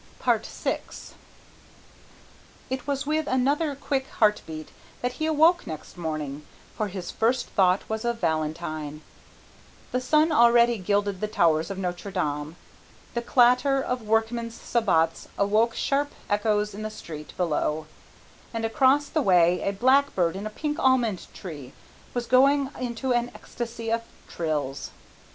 VI It was with another quick heart beat that he awoke next morning, for his first thought was of Valentine. The sun already gilded the towers of Notre Dame, the clatter of workmen's sabots awoke sharp echoes in the street below, and across the way a blackbird in a pink almond tree was going into an ecstasy of trills.